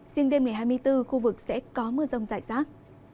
riêng đêm ngày hai mươi bốn khu vực sẽ có mưa rông rải rác